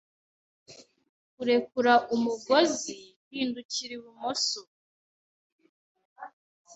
Kurekura umugozi, hindukirira ibumoso.